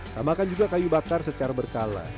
tambahkan juga kayu bakar secara berkala